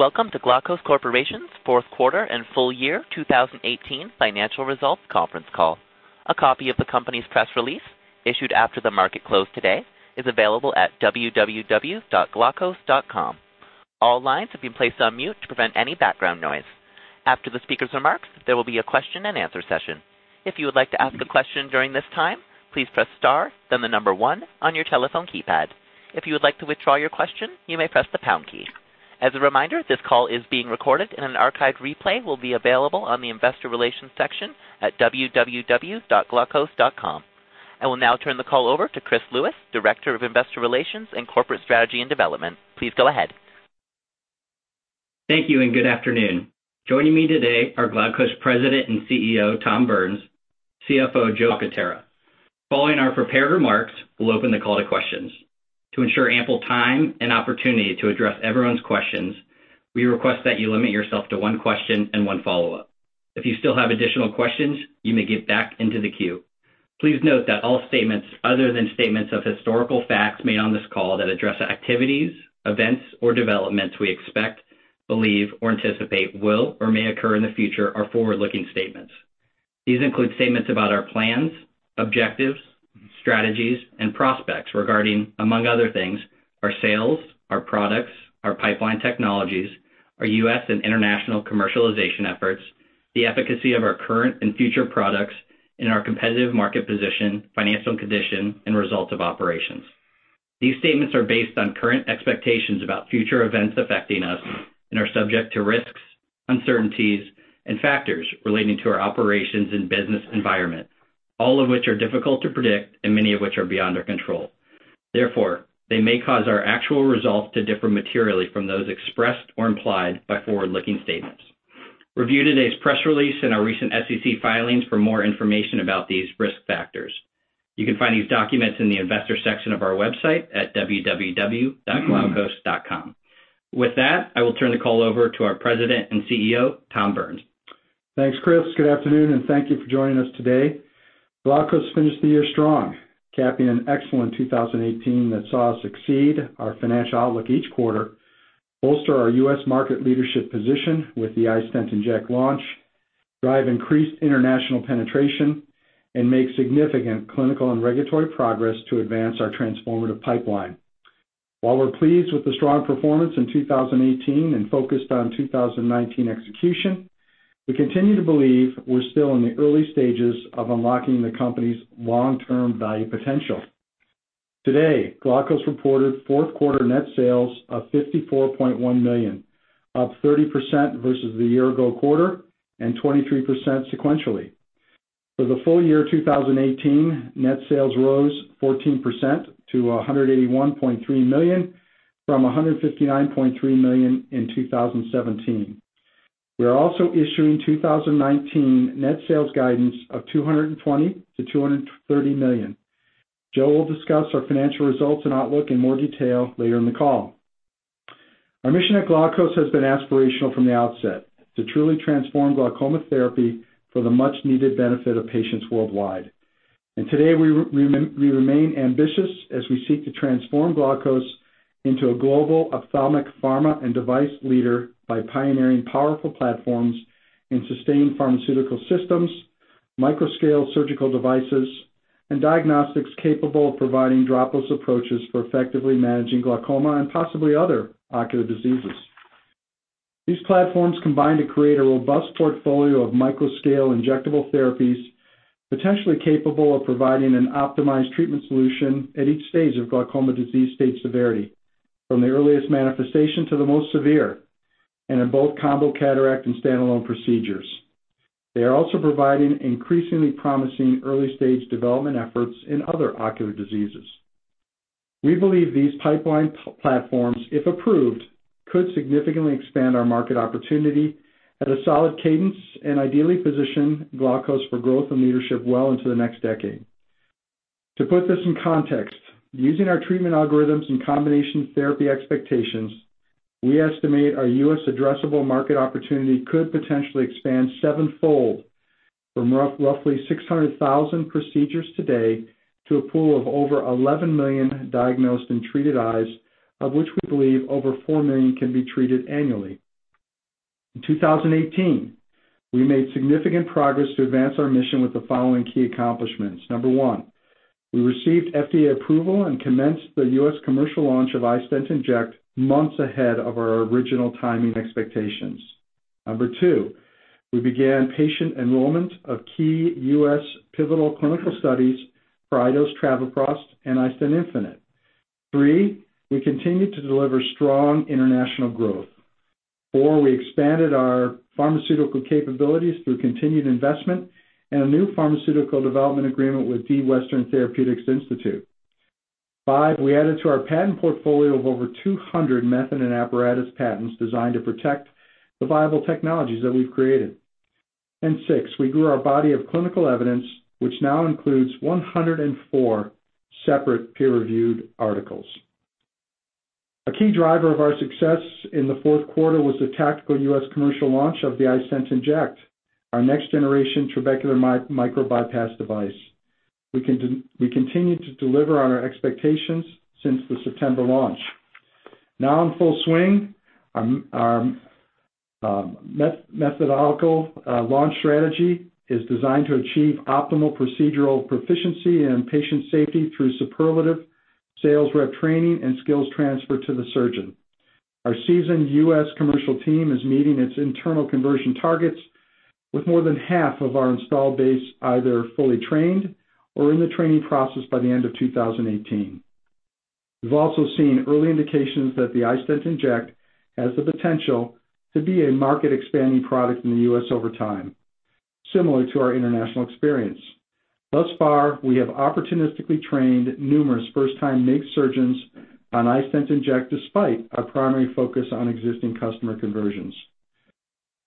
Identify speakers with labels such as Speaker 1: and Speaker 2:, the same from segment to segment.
Speaker 1: Welcome to Glaukos Corporation's fourth quarter and full year 2018 financial results conference call. A copy of the company's press release, issued after the market closed today, is available at www.glaukos.com. All lines have been placed on mute to prevent any background noise. After the speaker's remarks, there will be a question and answer session. If you would like to ask a question during this time, please press star then the number one on your telephone keypad. If you would like to withdraw your question, you may press the pound key. As a reminder, this call is being recorded, and an archived replay will be available on the investor relations section at www.glaukos.com. I will now turn the call over to Chris Lewis, Director of Investor Relations and Corporate Strategy and Development. Please go ahead.
Speaker 2: Thank you. Good afternoon. Joining me today are Glaukos President and CEO, Tom Burns, CFO, Joseph Gilliam. Following our prepared remarks, we'll open the call to questions. To ensure ample time and opportunity to address everyone's questions, we request that you limit yourself to one question and one follow-up. If you still have additional questions, you may get back into the queue. Please note that all statements other than statements of historical facts made on this call that address activities, events, or developments we expect, believe, or anticipate will or may occur in the future are forward-looking statements. These include statements about our plans, objectives, strategies, and prospects regarding, among other things, our sales, our products, our pipeline technologies, our U.S. and international commercialization efforts, the efficacy of our current and future products, and our competitive market position, financial condition, and results of operations. These statements are based on current expectations about future events affecting us and are subject to risks, uncertainties, and factors relating to our operations and business environment, all of which are difficult to predict and many of which are beyond our control. Therefore, they may cause our actual results to differ materially from those expressed or implied by forward-looking statements. Review today's press release in our recent SEC filings for more information about these risk factors. You can find these documents in the investor section of our website at www.glaukos.com. With that, I will turn the call over to our President and CEO, Tom Burns.
Speaker 3: Thanks, Chris. Good afternoon. Thank you for joining us today. Glaukos finished the year strong, capping an excellent 2018 that saw us exceed our financial outlook each quarter, bolster our U.S. market leadership position with the iStent inject launch, drive increased international penetration, and make significant clinical and regulatory progress to advance our transformative pipeline. While we're pleased with the strong performance in 2018 and focused on 2019 execution, we continue to believe we're still in the early stages of unlocking the company's long-term value potential. Today, Glaukos reported fourth quarter net sales of $54.1 million, up 30% versus the year-ago quarter and 23% sequentially. For the full year 2018, net sales rose 14% to $181.3 million from $159.3 million in 2017. We are also issuing 2019 net sales guidance of $220 million-$230 million. Joe will discuss our financial results and outlook in more detail later in the call. Our mission at Glaukos has been aspirational from the outset, to truly transform glaucoma therapy for the much-needed benefit of patients worldwide. Today, we remain ambitious as we seek to transform Glaukos into a global ophthalmic pharma and device leader by pioneering powerful platforms and sustained pharmaceutical systems, micro-scale surgical devices, and diagnostics capable of providing dropless approaches for effectively managing glaucoma and possibly other ocular diseases. These platforms combine to create a robust portfolio of micro-scale injectable therapies potentially capable of providing an optimized treatment solution at each stage of glaucoma disease state severity, from the earliest manifestation to the most severe, and in both combo cataract and standalone procedures. They are also providing increasingly promising early-stage development efforts in other ocular diseases. We believe these pipeline platforms, if approved, could significantly expand our market opportunity at a solid cadence and ideally position Glaukos for growth and leadership well into the next decade. To put this in context, using our treatment algorithms and combination therapy expectations, we estimate our U.S. addressable market opportunity could potentially expand sevenfold from roughly 600,000 procedures today to a pool of over 11 million diagnosed and treated eyes, of which we believe over 4 million can be treated annually. In 2018, we made significant progress to advance our mission with the following key accomplishments. Number one, we received FDA approval and commenced the U.S. commercial launch of iStent inject months ahead of our original timing expectations. Number two, we began patient enrollment of key U.S. pivotal clinical studies for iDose travoprost and iStent infinite. Three, we continued to deliver strong international growth. Four, we expanded our pharmaceutical capabilities through continued investment and a new pharmaceutical development agreement with D. Western Therapeutics Institute. Five, we added to our patent portfolio of over 200 method and apparatus patents designed to protect the viable technologies that we've created. Six, we grew our body of clinical evidence, which now includes 104 separate peer-reviewed articles. A key driver of our success in the fourth quarter was the tactical U.S. commercial launch of the iStent inject, our next-generation trabecular micro-bypass device. We continue to deliver on our expectations since the September launch. Now in full swing, our methodological launch strategy is designed to achieve optimal procedural proficiency and patient safety through superlative sales rep training and skills transfer to the surgeon. Our seasoned U.S. commercial team is meeting its internal conversion targets with more than half of our installed base either fully trained or in the training process by the end of 2018. We've also seen early indications that the iStent inject has the potential to be a market-expanding product in the U.S. over time, similar to our international experience. Thus far, we have opportunistically trained numerous first-time MIGS surgeons on iStent inject despite our primary focus on existing customer conversions.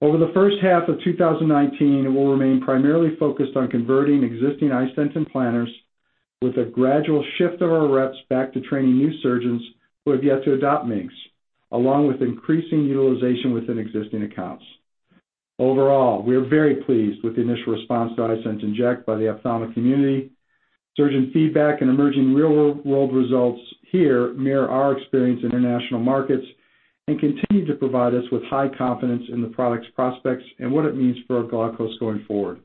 Speaker 3: Over the first half of 2019, we'll remain primarily focused on converting existing iStent implanters with a gradual shift of our reps back to training new surgeons who have yet to adopt MIGS, along with increasing utilization within existing accounts. Overall, we are very pleased with the initial response to iStent inject by the ophthalmic community. Surgeon feedback and emerging real-world results here mirror our experience in international markets and continue to provide us with high confidence in the product's prospects and what it means for Glaukos going forward.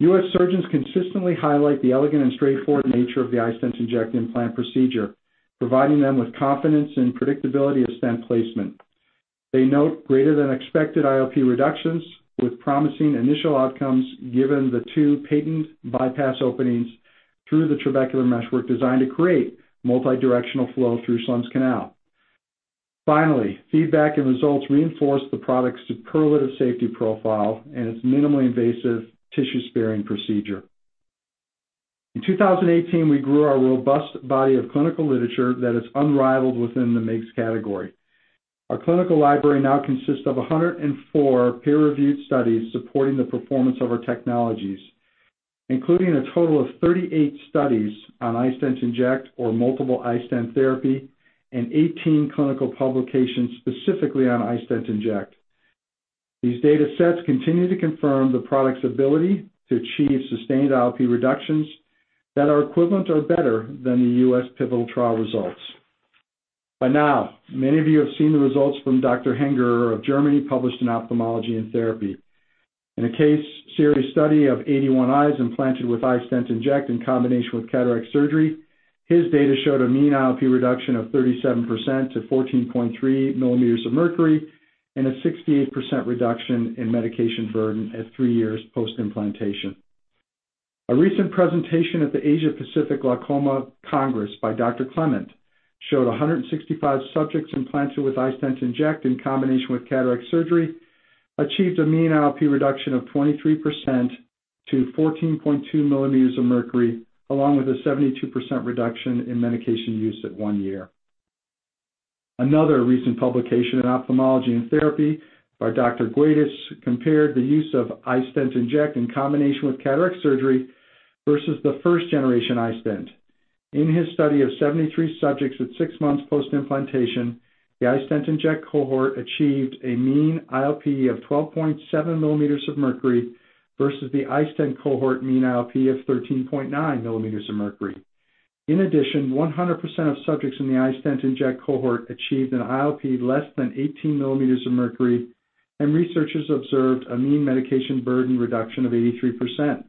Speaker 3: U.S. surgeons consistently highlight the elegant and straightforward nature of the iStent inject implant procedure, providing them with confidence and predictability of stent placement. They note greater than expected IOP reductions with promising initial outcomes given the two patent bypass openings through the trabecular meshwork designed to create multi-directional flow through Schlemm's canal. Finally, feedback and results reinforce the product's superlative safety profile and its minimally invasive tissue-sparing procedure. In 2018, we grew our robust body of clinical literature that is unrivaled within the MIGS category. Our clinical library now consists of 104 peer-reviewed studies supporting the performance of our technologies, including a total of 38 studies on iStent inject or multiple iStent therapy and 18 clinical publications specifically on iStent inject. These data sets continue to confirm the product's ability to achieve sustained IOP reductions that are equivalent to or better than the U.S. pivotal trial results. By now, many of you have seen the results from Dr. Hengerer of Germany published in Ophthalmology and Therapy. In a case series study of 81 eyes implanted with iStent inject in combination with cataract surgery, his data showed a mean IOP reduction of 37% to 14.3 millimeters of mercury and a 68% reduction in medication burden at three years post-implantation. A recent presentation at the Asia-Pacific Glaucoma Congress by Dr. Clement showed 165 subjects implanted with iStent inject in combination with cataract surgery achieved a mean IOP reduction of 23% to 14.2 millimeters of mercury, along with a 72% reduction in medication use at one year. Another recent publication in Ophthalmology and Therapy by Dr. Gaudet compared the use of iStent inject in combination with cataract surgery versus the first generation iStent. In his study of 73 subjects at six months post-implantation, the iStent inject cohort achieved a mean IOP of 12.7 millimeters of mercury versus the iStent cohort mean IOP of 13.9 millimeters of mercury. In addition, 100% of subjects in the iStent inject cohort achieved an IOP less than 18 millimeters of mercury, and researchers observed a mean medication burden reduction of 83%.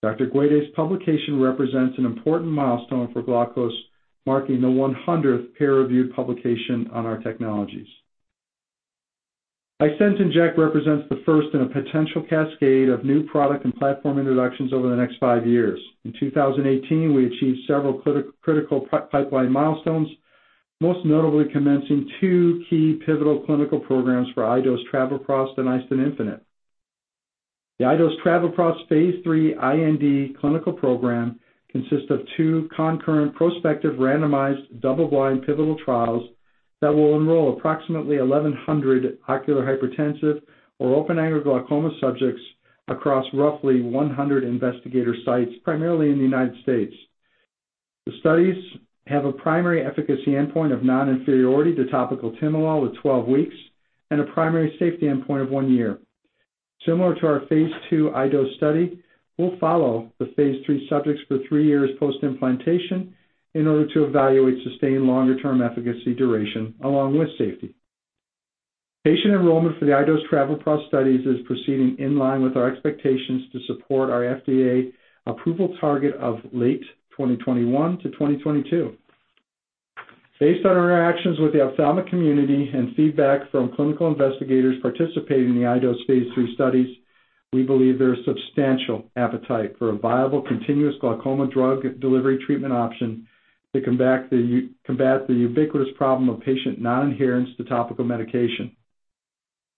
Speaker 3: Dr. Gaudet's publication represents an important milestone for Glaukos, marking the 100th peer-reviewed publication on our technologies. iStent inject represents the first in a potential cascade of new product and platform introductions over the next five years. In 2018, we achieved several critical pipeline milestones, most notably commencing two key pivotal clinical programs for iDose travoprost and iStent infinite. The iDose travoprost Phase III IND clinical program consists of two concurrent prospective randomized double-blind pivotal trials that will enroll approximately 1,100 ocular hypertensive or open-angle glaucoma subjects across roughly 100 investigator sites, primarily in the United States. The studies have a primary efficacy endpoint of non-inferiority to topical timolol at 12 weeks and a primary safety endpoint of one year. Similar to our Phase II iDose study, we'll follow the Phase III subjects for three years post-implantation in order to evaluate sustained longer-term efficacy duration along with safety. Patient enrollment for the iDose travoprost studies is proceeding in line with our expectations to support our FDA approval target of late 2021 to 2022. Based on our interactions with the ophthalmic community and feedback from clinical investigators participating in the iDose phase III studies, we believe there is substantial appetite for a viable continuous glaucoma drug delivery treatment option to combat the ubiquitous problem of patient non-adherence to topical medication.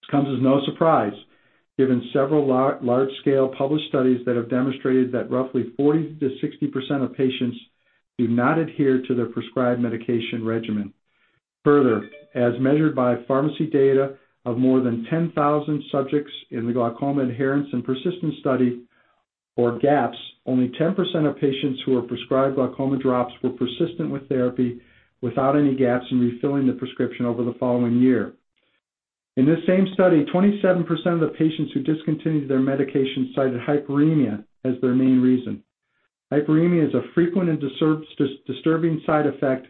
Speaker 3: This comes as no surprise, given several large-scale published studies that have demonstrated that roughly 40%-60% of patients do not adhere to their prescribed medication regimen. As measured by pharmacy data of more than 10,000 subjects in the Glaucoma Adherence and Persistency Study or GAPS, only 10% of patients who were prescribed glaucoma drops were persistent with therapy without any gaps in refilling the prescription over the following year. In this same study, 27% of the patients who discontinued their medication cited hyperemia as their main reason. Hyperemia is a frequent and disturbing side effect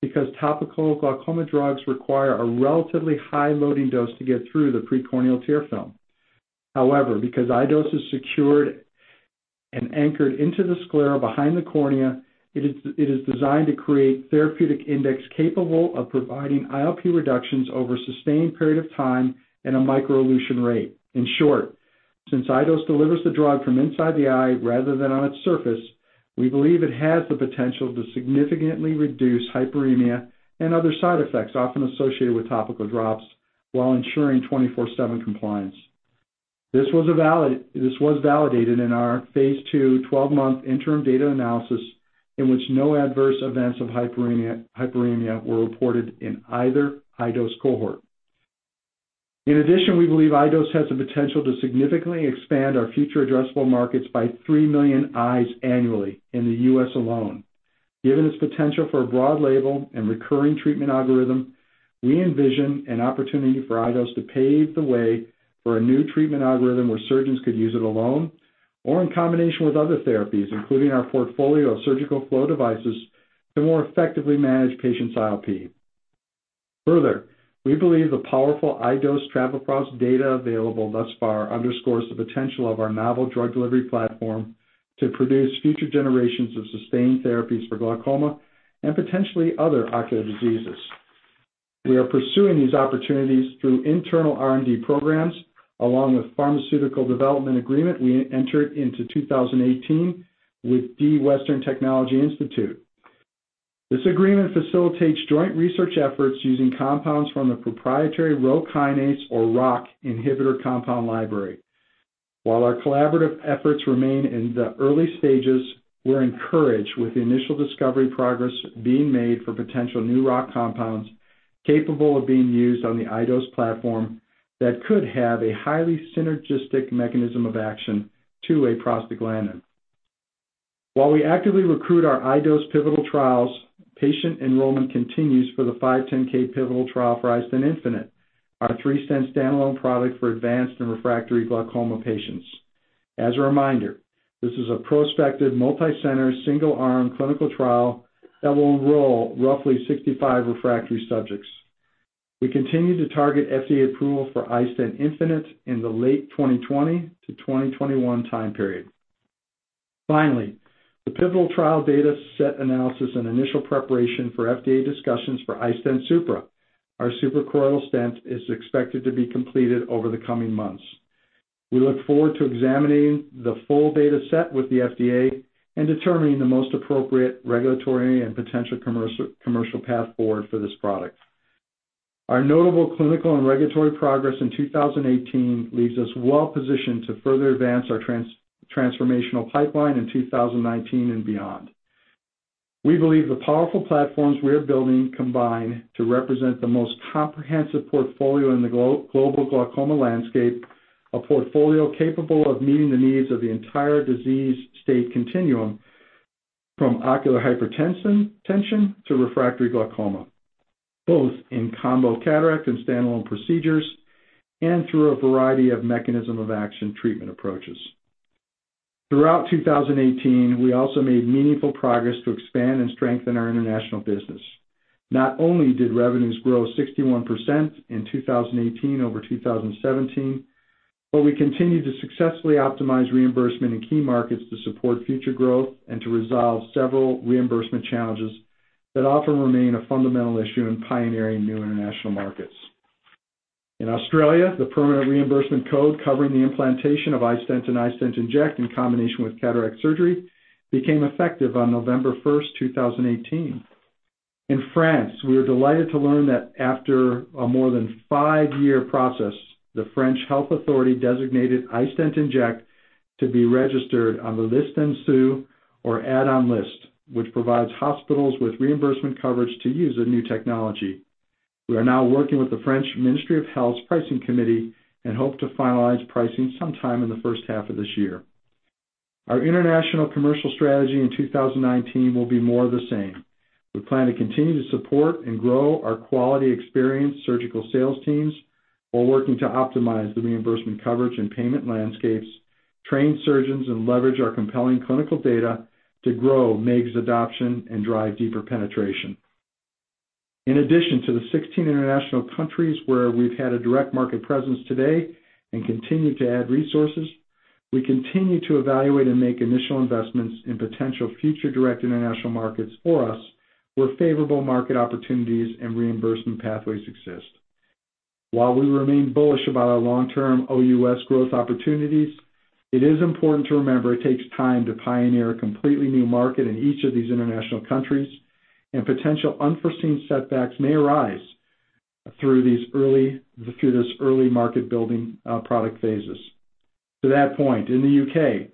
Speaker 3: because topical glaucoma drugs require a relatively high loading dose to get through the precorneal tear film. However, because iDose is secured and anchored into the sclera behind the cornea, it is designed to create therapeutic index capable of providing IOP reductions over a sustained period of time at a micro-elution rate. Since iDose delivers the drug from inside the eye rather than on its surface, we believe it has the potential to significantly reduce hyperemia and other side effects often associated with topical drops while ensuring 24/7 compliance. This was validated in our phase II 12-month interim data analysis in which no adverse events of hyperemia were reported in either high-dose cohort. In addition, we believe iDose has the potential to significantly expand our future addressable markets by 3 million eyes annually in the U.S. alone. Given its potential for a broad label and recurring treatment algorithm, we envision an opportunity for iDose to pave the way for a new treatment algorithm where surgeons could use it alone or in combination with other therapies, including our portfolio of surgical flow devices, to more effectively manage patients' IOP. We believe the powerful iDose travoprost data available thus far underscores the potential of our novel drug delivery platform to produce future generations of sustained therapies for glaucoma and potentially other ocular diseases. We are pursuing these opportunities through internal R&D programs, along with pharmaceutical development agreement we entered into 2018 with the D. Western Therapeutics Institute. This agreement facilitates joint research efforts using compounds from the proprietary Rho-kinase or ROCK inhibitor compound library. While our collaborative efforts remain in the early stages, we are encouraged with the initial discovery progress being made for potential new ROCK compounds capable of being used on the iDose platform that could have a highly synergistic mechanism of action to a prostaglandin. While we actively recruit our iDose pivotal trials, patient enrollment continues for the 510(k) pivotal trial for iStent infinite, our third standalone product for advanced and refractory glaucoma patients. As a reminder, this is a prospective multi-center, single-arm clinical trial that will enroll roughly 65 refractory subjects. We continue to target FDA approval for iStent infinite in the late 2020 to 2021 time period. Finally, the pivotal trial data set analysis and initial preparation for FDA discussions for iStent Supra, our suprachoroidal stent, is expected to be completed over the coming months. We look forward to examining the full data set with the FDA and determining the most appropriate regulatory and potential commercial path forward for this product. Our notable clinical and regulatory progress in 2018 leaves us well positioned to further advance our transformational pipeline in 2019 and beyond. We believe the powerful platforms we are building combine to represent the most comprehensive portfolio in the global glaucoma landscape, a portfolio capable of meeting the needs of the entire disease state continuum from ocular hypertension to refractory glaucoma, both in combo cataract and standalone procedures, and through a variety of mechanism-of-action treatment approaches. Throughout 2018, we also made meaningful progress to expand and strengthen our international business. Not only did revenues grow 61% in 2018 over 2017, but we continued to successfully optimize reimbursement in key markets to support future growth and to resolve several reimbursement challenges that often remain a fundamental issue in pioneering new international markets. In Australia, the permanent reimbursement code covering the implantation of iStent and iStent inject in combination with cataract surgery became effective on November 1st, 2018. In France, we were delighted to learn that after a more than five-year process, the French health authority designated iStent inject to be registered on the Liste en Sus or add-on list, which provides hospitals with reimbursement coverage to use a new technology. We are now working with the French Ministry of Health's pricing committee and hope to finalize pricing sometime in the first half of this year. Our international commercial strategy in 2019 will be more of the same. We plan to continue to support and grow our quality experienced surgical sales teams while working to optimize the reimbursement coverage and payment landscapes, train surgeons, and leverage our compelling clinical data to grow MIGS adoption and drive deeper penetration. In addition to the 16 international countries where we've had a direct market presence today and continue to add resources, we continue to evaluate and make initial investments in potential future direct international markets for us where favorable market opportunities and reimbursement pathways exist. While we remain bullish about our long-term OUS growth opportunities, it is important to remember it takes time to pioneer a completely new market in each of these international countries and potential unforeseen setbacks may arise through this early market building product phases. To that point, in the U.K.,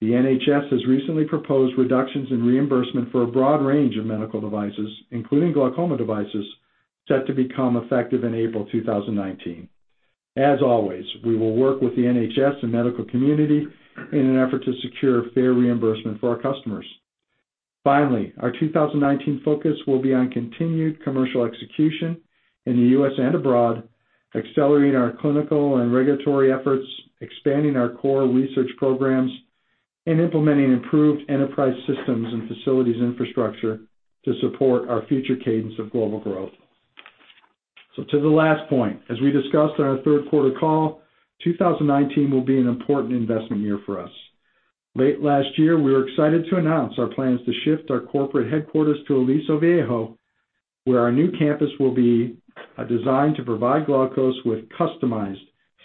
Speaker 3: the NHS has recently proposed reductions in reimbursement for a broad range of medical devices, including glaucoma devices, set to become effective in April 2019. As always, we will work with the NHS and medical community in an effort to secure fair reimbursement for our customers. Our 2019 focus will be on continued commercial execution in the U.S. and abroad, accelerating our clinical and regulatory efforts, expanding our core research programs, and implementing improved enterprise systems and facilities infrastructure to support our future cadence of global growth. To the last point, as we discussed on our third quarter call, 2019 will be an important investment year for us. Late last year, we were excited to announce our plans to shift our corporate headquarters to Aliso Viejo, where our new campus will be designed to provide Glaukos with customized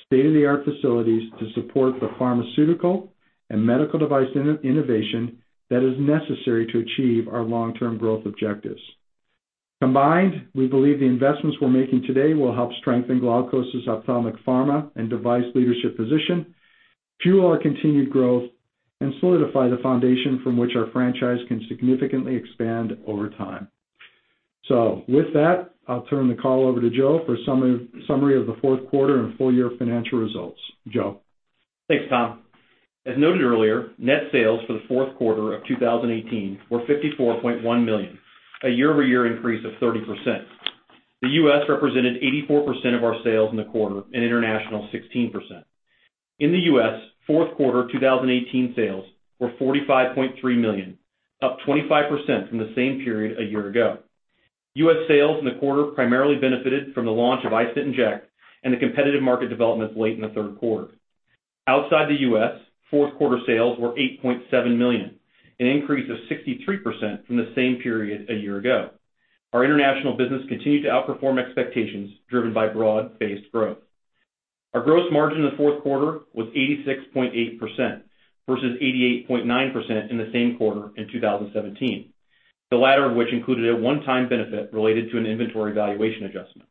Speaker 3: state-of-the-art facilities to support the pharmaceutical and medical device innovation that is necessary to achieve our long-term growth objectives. Combined, we believe the investments we're making today will help strengthen Glaukos' ophthalmic pharma and device leadership position, fuel our continued growth, and solidify the foundation from which our franchise can significantly expand over time. With that, I'll turn the call over to Joe for a summary of the fourth quarter and full year financial results. Joe?
Speaker 4: Thanks, Tom. As noted earlier, net sales for the fourth quarter of 2018 were $54.1 million, a year-over-year increase of 30%. The U.S. represented 84% of our sales in the quarter and international 16%. In the U.S., fourth quarter 2018 sales were $45.3 million, up 25% from the same period a year ago. U.S. sales in the quarter primarily benefited from the launch of iStent inject and the competitive market developments late in the third quarter. Outside the U.S., fourth quarter sales were $8.7 million, an increase of 63% from the same period a year ago. Our international business continued to outperform expectations, driven by broad-based growth. Our gross margin in the fourth quarter was 86.8% versus 88.9% in the same quarter in 2017, the latter of which included a one-time benefit related to an inventory valuation adjustment.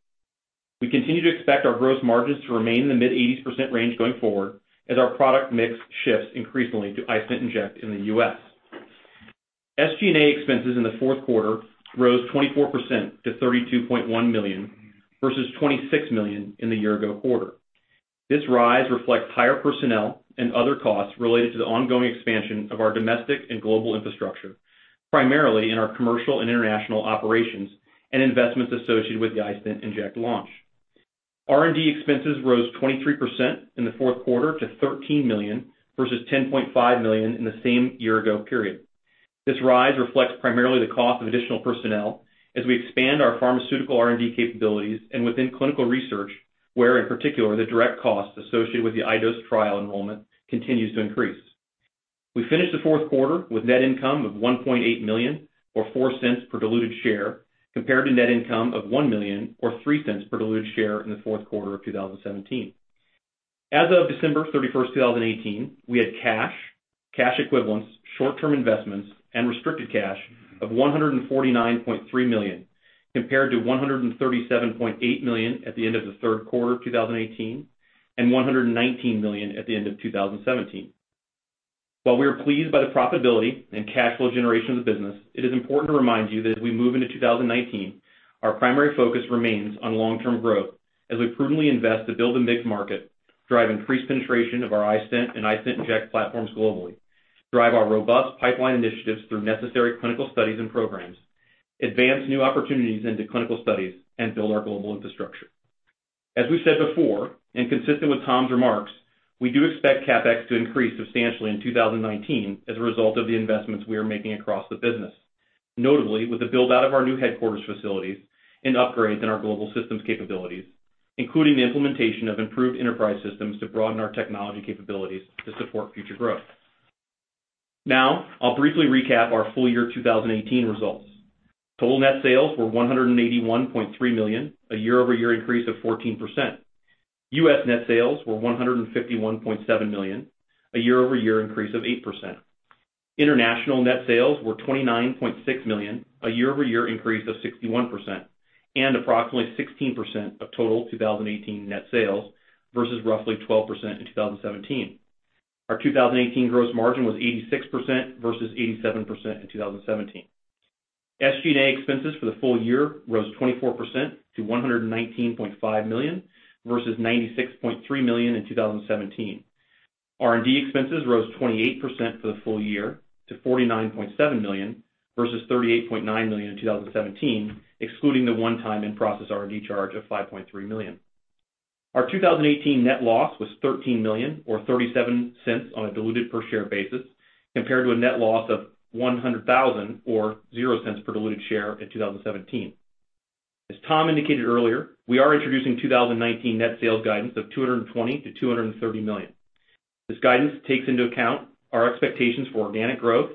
Speaker 4: We continue to expect our gross margins to remain in the mid-80s% range going forward as our product mix shifts increasingly to iStent inject in the U.S. SG&A expenses in the fourth quarter rose 24% to $32.1 million versus $26 million in the year-ago quarter. This rise reflects higher personnel and other costs related to the ongoing expansion of our domestic and global infrastructure, primarily in our commercial and international operations and investments associated with the iStent inject launch. R&D expenses rose 23% in the fourth quarter to $13 million, versus $10.5 million in the same year-ago period. This rise reflects primarily the cost of additional personnel as we expand our pharmaceutical R&D capabilities and within clinical research, where, in particular, the direct cost associated with the iDose trial enrollment continues to increase. We finished the fourth quarter with net income of $1.8 million, or $0.04 per diluted share, compared to net income of $1 million or $0.03 per diluted share in the fourth quarter of 2017. As of December 31st, 2018, we had cash equivalents, short-term investments, and restricted cash of $149.3 million, compared to $137.8 million at the end of the third quarter of 2018 and $119 million at the end of 2017. While we are pleased by the profitability and cash flow generation of the business, it is important to remind you that as we move into 2019, our primary focus remains on long-term growth as we prudently invest to build a MIGS market, drive increased penetration of our iStent and iStent inject platforms globally, drive our robust pipeline initiatives through necessary clinical studies and programs, advance new opportunities into clinical studies, and build our global infrastructure. Consistent with Tom's remarks, we do expect CapEx to increase substantially in 2019 as a result of the investments we are making across the business, notably with the build-out of our new headquarters facilities and upgrades in our global systems capabilities, including the implementation of improved enterprise systems to broaden our technology capabilities to support future growth. Now, I'll briefly recap our full year 2018 results. Total net sales were $181.3 million, a year-over-year increase of 14%. U.S. net sales were $151.7 million, a year-over-year increase of 8%. International net sales were $29.6 million, a year-over-year increase of 61%, and approximately 16% of total 2018 net sales versus roughly 12% in 2017. Our 2018 gross margin was 86% versus 87% in 2017. SG&A expenses for the full year rose 24% to $119.5 million versus $96.3 million in 2017. R&D expenses rose 28% for the full year to $49.7 million versus $38.9 million in 2017, excluding the one-time in-process R&D charge of $5.3 million. Our 2018 net loss was $13 million, or $0.37 on a diluted per share basis, compared to a net loss of $100,000 or $0.00 per diluted share in 2017. As Tom indicated earlier, we are introducing 2019 net sales guidance of $220 million-$230 million. This guidance takes into account our expectations for organic growth,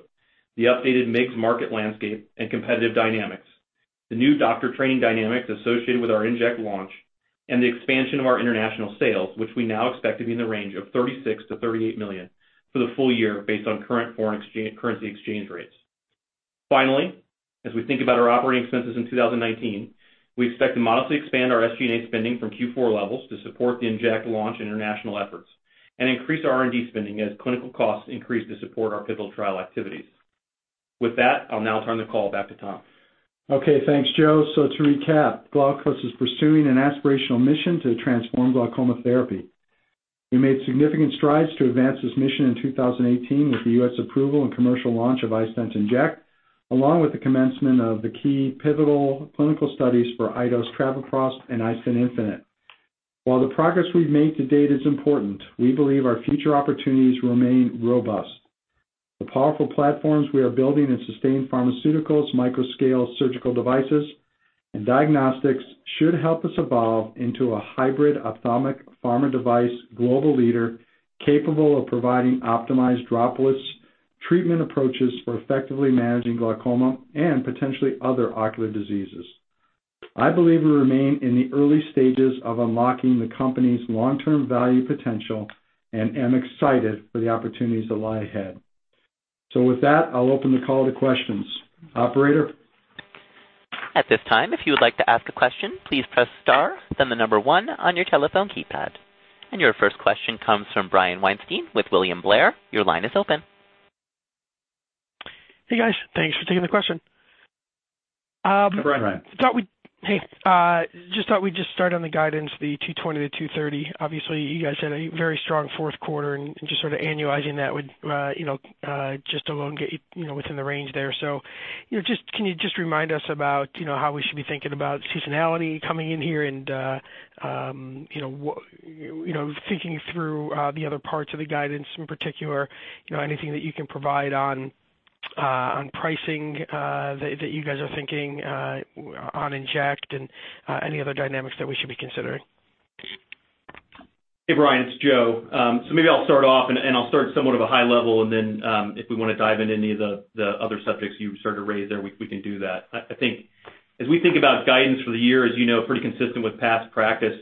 Speaker 4: the updated MIGS market landscape and competitive dynamics, the new doctor training dynamics associated with our inject launch, and the expansion of our international sales, which we now expect to be in the range of $36 million-$38 million for the full year based on current foreign currency exchange rates. Finally, as we think about our operating expenses in 2019, we expect to modestly expand our SG&A spending from Q4 levels to support the inject launch and international efforts and increase R&D spending as clinical costs increase to support our pivotal trial activities. With that, I'll now turn the call back to Tom.
Speaker 3: Okay. Thanks, Joe. To recap, Glaukos is pursuing an aspirational mission to transform glaucoma therapy. We made significant strides to advance this mission in 2018 with the U.S. approval and commercial launch of iStent inject, along with the commencement of the key pivotal clinical studies for iDose TR and iStent infinite. While the progress we've made to date is important, we believe our future opportunities remain robust. The powerful platforms we are building in sustained pharmaceuticals, micro scale surgical devices, and diagnostics should help us evolve into a hybrid ophthalmic pharma device global leader capable of providing optimized droplets, treatment approaches for effectively managing glaucoma, and potentially other ocular diseases. I believe we remain in the early stages of unlocking the company's long-term value potential and am excited for the opportunities that lie ahead. With that, I'll open the call to questions. Operator?
Speaker 1: At this time, if you would like to ask a question, please press star, then the number one on your telephone keypad. Your first question comes from Brian Weinstein with William Blair. Your line is open.
Speaker 5: Hey, guys. Thanks for taking the question.
Speaker 3: Hi, Brian.
Speaker 5: Hey. Just thought we'd start on the guidance, the $220-$230. Obviously, you guys had a very strong fourth quarter and just sort of annualizing that would alone get you within the range there. Can you just remind us about how we should be thinking about seasonality coming in here and thinking through the other parts of the guidance, in particular, anything that you can provide on pricing that you guys are thinking on Inject and any other dynamics that we should be considering?
Speaker 4: Hey, Brian, it's Joe. Maybe I'll start off and I'll start somewhat of a high level. Then, if we want to dive into any of the other subjects you sort of raised there, we can do that. I think as we think about guidance for the year, as you know, pretty consistent with past practice,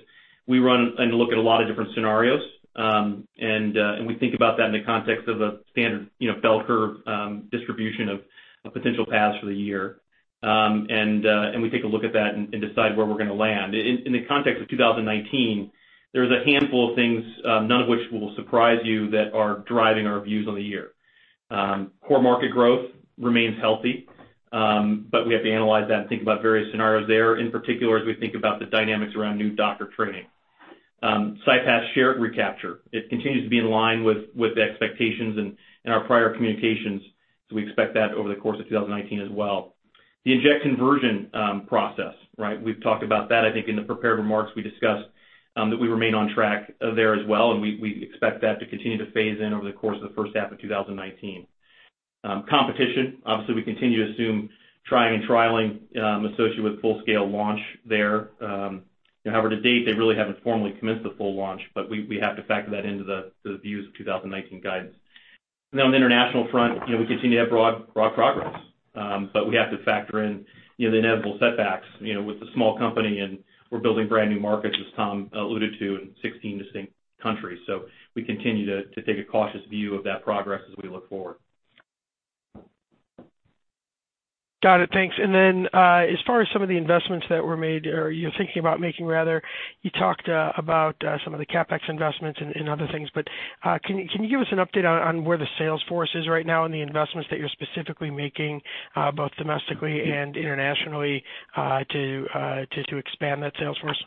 Speaker 4: we run and look at a lot of different scenarios. We think about that in the context of a standard bell curve distribution of potential paths for the year. We take a look at that and decide where we're going to land. In the context of 2019, there's a handful of things, none of which will surprise you that are driving our views on the year. Core market growth remains healthy. We have to analyze that and think about various scenarios there, in particular, as we think about the dynamics around new doctor training. CyPass share recapture. It continues to be in line with the expectations in our prior communications. We expect that over the course of 2019 as well. The Inject conversion process, right? We've talked about that. I think in the prepared remarks, we discussed that we remain on track there as well. We expect that to continue to phase in over the course of the first half of 2019. Competition, obviously, we continue to assume trying and trialing associated with full scale launch there. However, to date, they really haven't formally commenced the full launch. We have to factor that into the views of 2019 guidance. On the international front, we continue to have broad progress. We have to factor in the inevitable setbacks, with a small company and we're building brand new markets, as Tom alluded to, in 16 distinct countries. We continue to take a cautious view of that progress as we look forward.
Speaker 5: Got it. Thanks. As far as some of the investments that were made, or you're thinking about making rather, you talked about some of the CapEx investments and other things, can you give us an update on where the sales force is right now and the investments that you're specifically making, both domestically and internationally, to expand that sales force?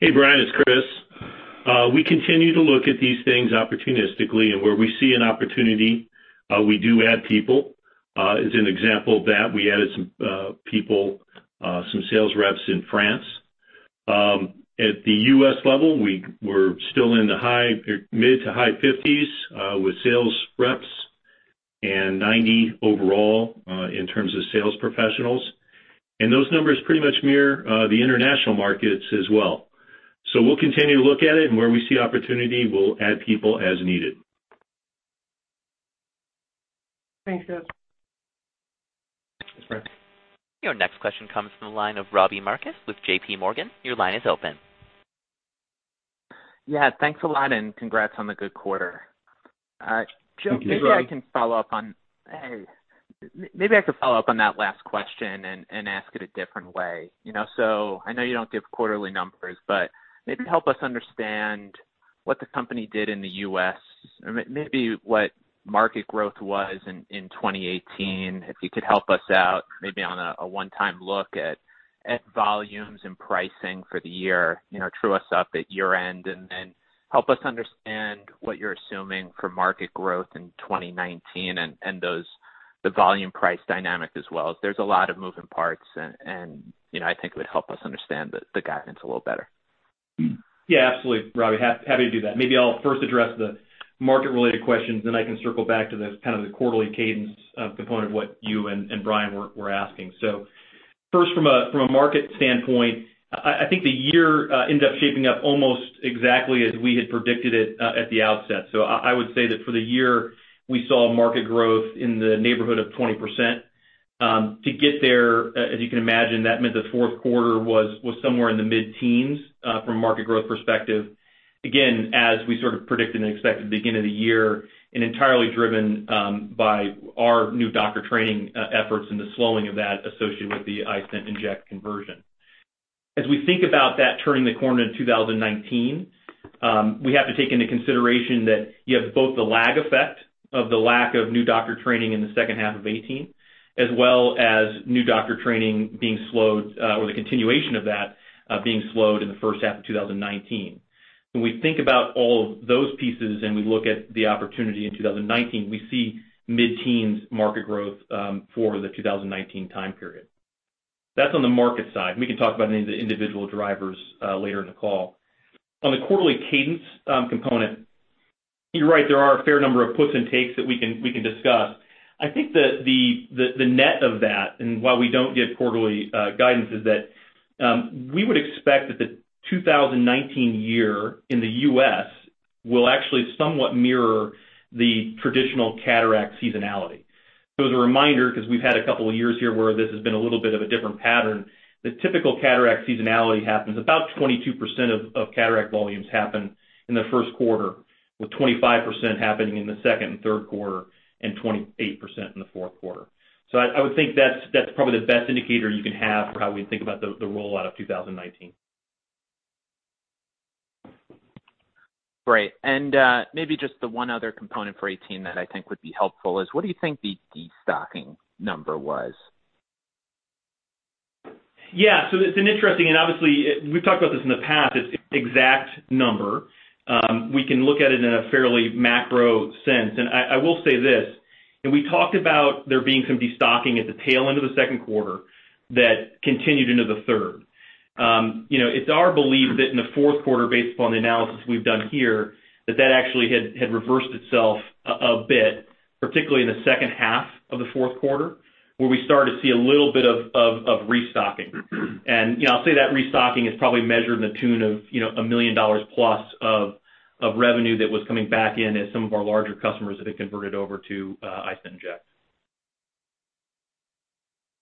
Speaker 2: Hey, Brian, it's Chris. We continue to look at these things opportunistically, where we see an opportunity, we do add people. As an example of that, we added some people, some sales reps in France. At the U.S. level, we're still in the mid to high 50s, with sales reps and 90 overall, in terms of sales professionals. Those numbers pretty much mirror the international markets as well. We'll continue to look at it, where we see opportunity, we'll add people as needed.
Speaker 5: Thanks, Joe.
Speaker 4: Thanks, Brian.
Speaker 1: Your next question comes from the line of Robbie Marcus with JPMorgan. Your line is open.
Speaker 6: Yeah, thanks a lot and congrats on the good quarter.
Speaker 3: Thank you.
Speaker 6: Joe, maybe I can follow up on that last question and ask it a different way. I know you don't give quarterly numbers, but maybe help us understand what the company did in the U.S. or maybe what market growth was in 2018. If you could help us out maybe on a one-time look at volumes and pricing for the year, true us up at year end and then help us understand what you're assuming for market growth in 2019 and the volume price dynamic as well. There's a lot of moving parts and it would help us understand the guidance a little better.
Speaker 4: Absolutely, Robbie. Happy to do that. Maybe I'll first address the market related questions, then I can circle back to the kind of the quarterly cadence component what you and Brian were asking. First from a market standpoint, I think the year ended up shaping up almost exactly as we had predicted it at the outset. I would say that for the year, we saw market growth in the neighborhood of 20%. To get there, as you can imagine, that meant the fourth quarter was somewhere in the mid-teens from a market growth perspective. Again, as we sort of predicted and expected at the beginning of the year and entirely driven by our new doctor training efforts and the slowing of that associated with the iStent inject conversion. We think about that turning the corner in 2019, we have to take into consideration that you have both the lag effect of the lack of new doctor training in the second half of 2018, as well as new doctor training being slowed or the continuation of that being slowed in the first half of 2019. We think about all of those pieces and we look at the opportunity in 2019, we see mid-teens market growth for the 2019 time period. That's on the market side. We can talk about any of the individual drivers later in the call. On the quarterly cadence component, you're right, there are a fair number of puts and takes that we can discuss. The net of that, and while we don't give quarterly guidance, is that we would expect that the 2019 year in the U.S. will actually somewhat mirror the traditional cataract seasonality. As a reminder, because we've had a couple of years here where this has been a little bit of a different pattern, the typical cataract seasonality happens, about 22% of cataract volumes happen in the first quarter, with 25% happening in the second and third quarter and 28% in the fourth quarter. I would think that's probably the best indicator you can have for how we think about the rollout of 2019.
Speaker 6: Great. Maybe just the one other component for 2018 that I think would be helpful is what do you think the destocking number was?
Speaker 4: Yeah. It's interesting, obviously we've talked about this in the past, its exact number. We can look at it in a fairly macro sense. I will say this, we talked about there being some destocking at the tail end of the second quarter that continued into the third. It's our belief that in the fourth quarter, based upon the analysis we've done here, that that actually had reversed itself a bit, particularly in the second half of the fourth quarter, where we started to see a little bit of restocking. I'll say that restocking is probably measured in the tune of a $1 million plus of revenue that was coming back in as some of our larger customers have converted over to iStent inject.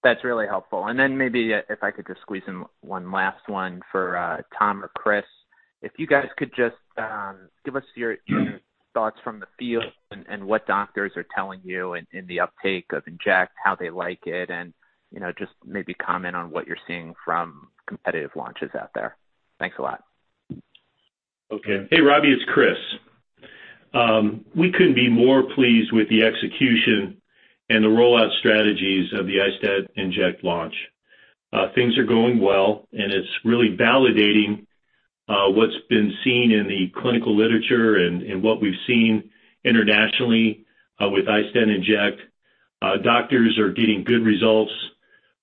Speaker 6: That's really helpful. Maybe if I could just squeeze in one last one for Tom or Chris. If you guys could just give us your thoughts from the field and what doctors are telling you in the uptake of Inject, how they like it, and just maybe comment on what you're seeing from competitive launches out there. Thanks a lot.
Speaker 2: Okay. Hey, Robbie, it's Chris. We couldn't be more pleased with the execution and the rollout strategies of the iStent inject launch. Things are going well, it's really validating what's been seen in the clinical literature and what we've seen internationally with iStent inject. Doctors are getting good results.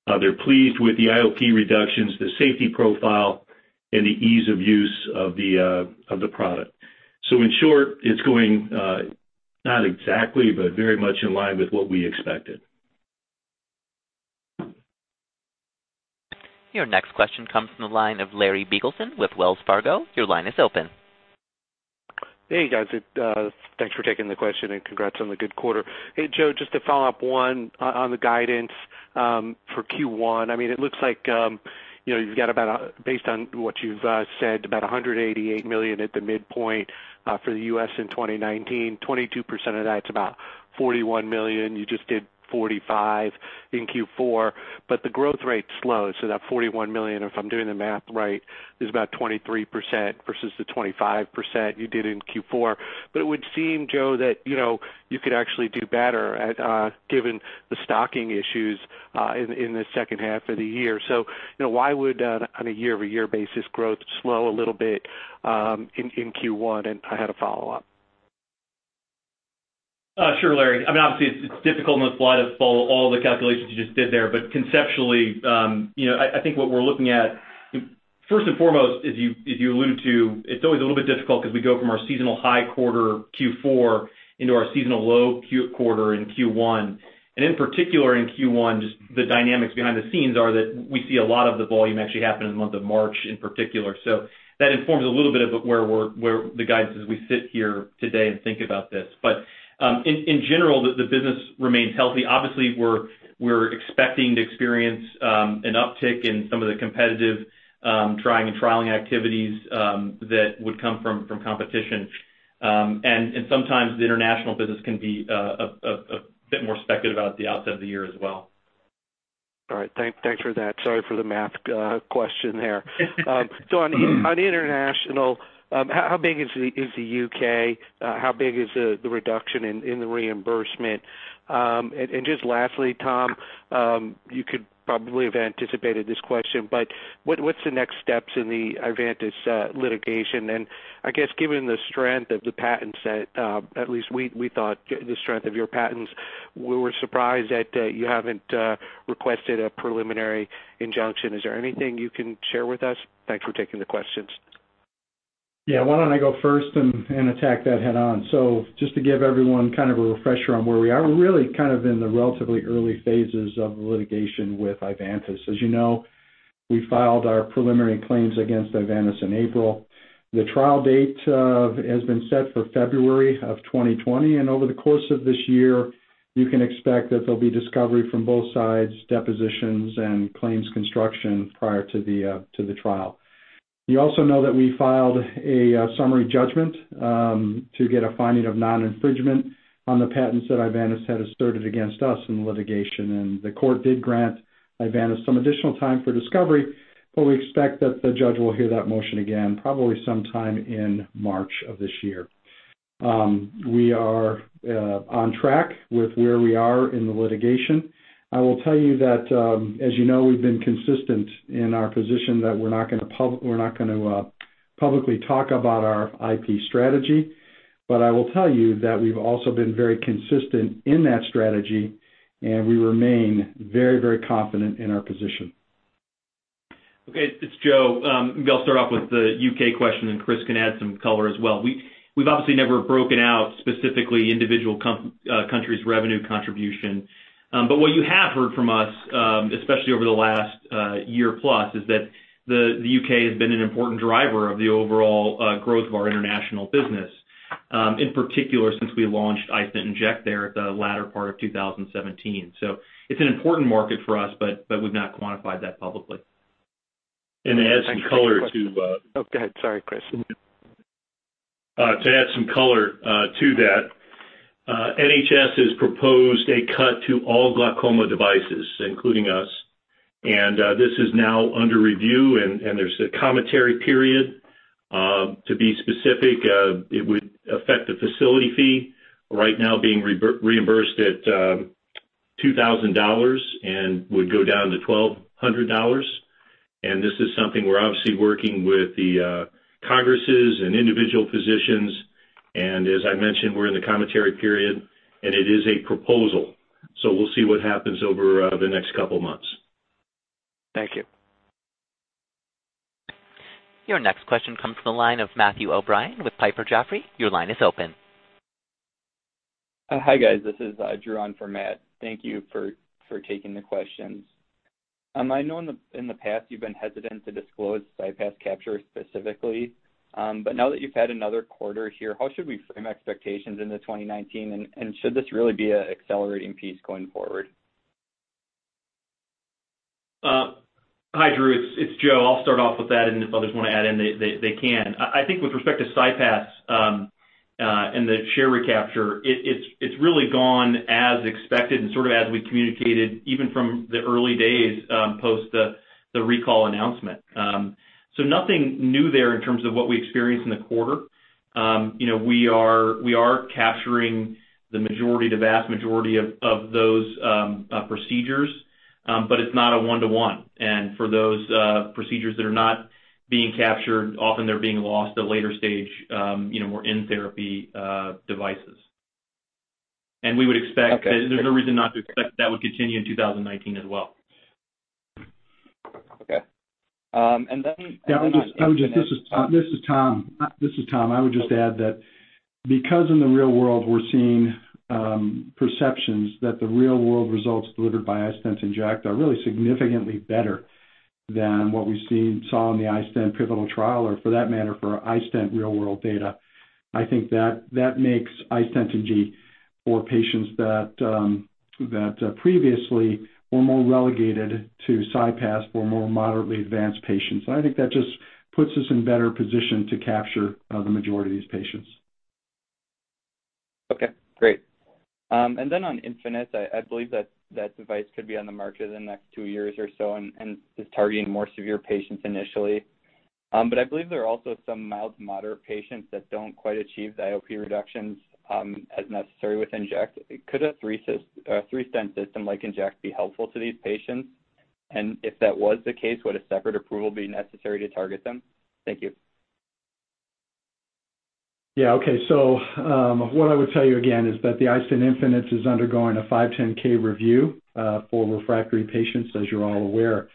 Speaker 2: They're pleased with the IOP reductions, the safety profile, and the ease of use of the product. In short, it's going not exactly, but very much in line with what we expected.
Speaker 1: Your next question comes from the line of Larry Biegelsen with Wells Fargo. Your line is open.
Speaker 7: Hey, guys. Thanks for taking the question and congrats on the good quarter. Hey, Joe, just to follow up, one, on the guidance for Q1. It looks like you've got, based on what you've said, about $188 million at the midpoint for the U.S. in 2019. 22% of that's about $41 million. You just did $45 million in Q4, but the growth rate slowed, so that $41 million, if I'm doing the math right, is about 23% versus the 25% you did in Q4. It would seem, Joe, that you could actually do better given the stocking issues in the second half of the year. Why would, on a year-over-year basis, growth slow a little bit in Q1? I had a follow-up.
Speaker 4: Sure, Larry. Obviously, it's difficult on the fly to follow all the calculations you just did there. Conceptually, I think what we're looking at, first and foremost, as you alluded to, it's always a little bit difficult because we go from our seasonal high quarter, Q4, into our seasonal low quarter in Q1. In particular in Q1, just the dynamics behind the scenes are that we see a lot of the volume actually happen in the month of March in particular. That informs a little bit of where the guidance as we sit here today and think about this. In general, the business remains healthy. Obviously, we're expecting to experience an uptick in some of the competitive trying and trialing activities that would come from competition. Sometimes the international business can be a bit more speculative out at the outset of the year as well.
Speaker 7: All right. Thanks for that. Sorry for the math question there. On international, how big is the U.K.? How big is the reduction in the reimbursement? Just lastly, Tom, you could probably have anticipated this question, but what's the next steps in the Ivantis litigation? I guess given the strength of the patent set, at least we thought the strength of your patents, we were surprised that you haven't requested a preliminary injunction. Is there anything you can share with us? Thanks for taking the questions.
Speaker 3: Yeah. Why don't I go first and attack that head on? Just to give everyone kind of a refresher on where we are, we're really kind of in the relatively early phases of the litigation with Ivantis. As you know, we filed our preliminary claims against Ivantis in April. The trial date has been set for February of 2020, and over the course of this year, you can expect that there'll be discovery from both sides, depositions, and claims construction prior to the trial. You also know that we filed a summary judgment to get a finding of non-infringement on the patents that Ivantis had asserted against us in the litigation, and the court did grant Ivantis some additional time for discovery. We expect that the judge will hear that motion again probably sometime in March of this year. We are on track with where we are in the litigation. I will tell you that, as you know, we've been consistent in our position that we're not going to publicly talk about our IP strategy. I will tell you that we've also been very consistent in that strategy, and we remain very confident in our position.
Speaker 4: Okay. It's Joe. Maybe I'll start off with the U.K. question, and Chris can add some color as well. We've obviously never broken out specifically individual country's revenue contribution. What you have heard from us, especially over the last year plus, is that the U.K. has been an important driver of the overall growth of our international business, in particular since we launched iStent inject there at the latter part of 2017. It's an important market for us, but we've not quantified that publicly.
Speaker 2: To add some color to-
Speaker 7: Oh, go ahead. Sorry, Chris.
Speaker 2: To add some color to that, NHS has proposed a cut to all glaucoma devices, including us, and this is now under review, and there's a commentary period. To be specific, it would affect the facility fee right now being reimbursed at $2,000 and would go down to $1,200. This is something we're obviously working with the congresses and individual physicians, and as I mentioned, we're in the commentary period, and it is a proposal. We'll see what happens over the next couple of months.
Speaker 7: Thank you.
Speaker 1: Your next question comes from the line of Matthew O'Brien with Piper Jaffray. Your line is open.
Speaker 8: Hi, guys. This is Drew on for Matt. Thank you for taking the questions. I know in the past you've been hesitant to disclose CyPass capture specifically. Now that you've had another quarter here, how should we frame expectations into 2019, and should this really be an accelerating piece going forward?
Speaker 4: Hi, Drew. It's Joe. I'll start off with that, and if others want to add in, they can. I think with respect to CyPass, and the share recapture, it's really gone as expected and sort of as we communicated even from the early days, post the recall announcement. Nothing new there in terms of what we experienced in the quarter. We are capturing the vast majority of those procedures, it's not a one-to-one. For those procedures that are not being captured, often they're being lost at a later stage, more in therapy devices. There's no reason not to expect that would continue in 2019 as well.
Speaker 8: Okay.
Speaker 3: This is Tom. I would just add that because in the real world, we're seeing perceptions that the real-world results delivered by iStent inject are really significantly better than what we saw in the iStent pivotal trial or for that matter, for iStent real-world data. I think that makes iStent for patients that previously were more relegated to CyPass for more moderately advanced patients. I think that just puts us in a better position to capture the majority of these patients.
Speaker 8: Okay, great. On iStent infinite, I believe that device could be on the market in the next two years or so and is targeting more severe patients initially. I believe there are also some mild to moderate patients that don't quite achieve the IOP reductions as necessary with iStent inject. Could a three-stent system like iStent inject be helpful to these patients? If that was the case, would a separate approval be necessary to target them? Thank you.
Speaker 3: Yeah. Okay. What I would tell you again is that the iStent infinite is undergoing a 510(k) review for refractory patients, as you're all aware.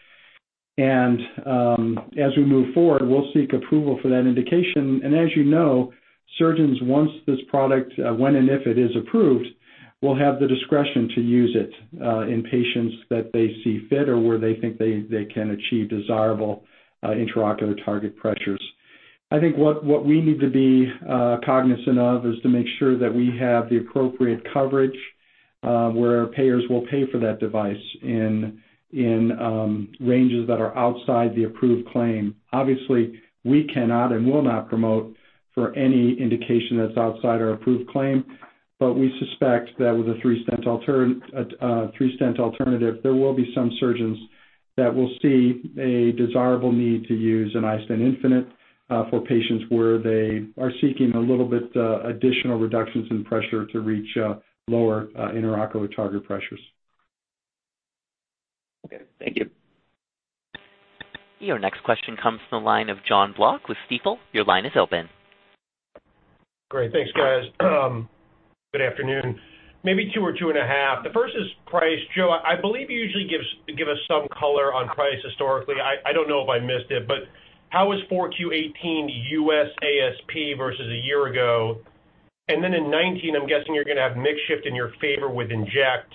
Speaker 3: As we move forward, we'll seek approval for that indication. As you know, surgeons, once this product, when and if it is approved, will have the discretion to use it in patients that they see fit or where they think they can achieve desirable intraocular target pressures. I think what we need to be cognizant is to make sure that we have the appropriate coverage where payers will pay for that device in ranges that are outside the approved claim. Obviously, we cannot and will not promote for any indication that's outside our approved claim. We suspect that with a three-stent alternative, there will be some surgeons that will see a desirable need to use an iStent infinite for patients where they are seeking a little bit additional reductions in pressure to reach lower intraocular target pressures.
Speaker 8: Okay. Thank you.
Speaker 1: Your next question comes from the line of Jonathan Block with Stifel. Your line is open.
Speaker 9: Great. Thanks, guys. Good afternoon. Maybe two or two and a half. The first is price. Joe, I believe you usually give us some color on price historically. I don't know if I missed it, but how was Q4 2018 U.S. ASP versus a year ago? In 2019, I'm guessing you're going to have mix shift in your favor with inject.